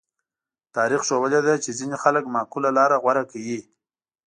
تاریخ ښوولې ده چې ځینې خلک معقوله لاره غوره کوي.